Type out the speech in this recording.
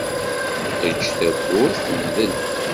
Eǧǧ tawwurt temdel.